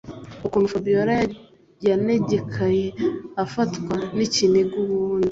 ukuntu Fabiora yanegekaye afatwa nikiniga ubundi